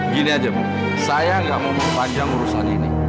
gini aja ibu saya gak mau memanjang urusan ini